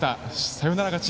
サヨナラ勝ち